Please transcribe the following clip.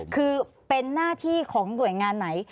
คือเป็นหน้าที่ของหน่วยงานไหน